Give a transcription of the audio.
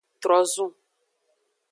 Trozun.